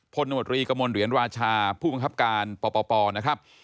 ตนมตรีกระมวลเหรียญราชาผู้บังคับการปปนะครับ